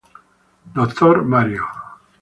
Dr. Mario".